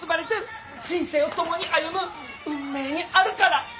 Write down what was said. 人生を共に歩む運命にあるから。